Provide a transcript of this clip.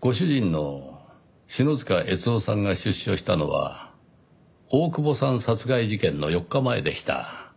ご主人の篠塚悦雄さんが出所したのは大久保さん殺害事件の４日前でした。